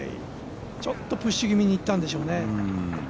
ちょっとプッシュ気味にいったんでしょうね。